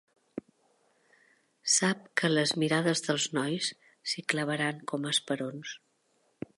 Sap que les mirades dels nois s'hi clavaran com esperons.